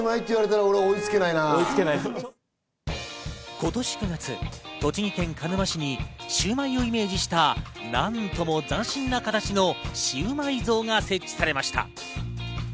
今年９月、栃木県鹿沼市にシウマイをイメージした、何とも斬新な形のシウマイ像が設置されました。